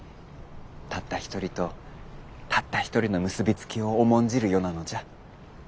たった一人とたった一人の結び付きを重んじる世なのじゃ。